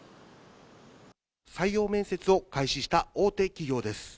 採用面接を開始した大手企業です。